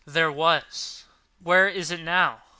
"There was." "Where is it now?"